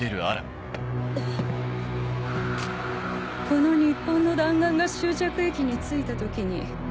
この日本の弾丸が終着駅に着いた時に。